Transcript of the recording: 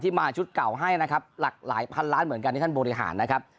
มาชุดเก่าให้นะครับหลากหลายพันล้านเหมือนกันที่ท่านบริหารนะครับ